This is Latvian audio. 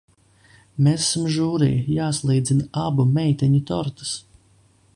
Mēs esam žūrija, jāsalīdzina abu meiteņu tortes.